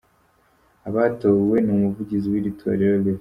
Abatowe ni Umuvugizi w’iri torero; Rev.